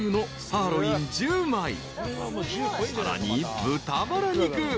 ［さらに豚バラ肉］